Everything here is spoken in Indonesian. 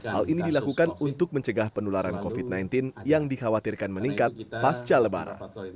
hal ini dilakukan untuk mencegah penularan covid sembilan belas yang dikhawatirkan meningkat pasca lebaran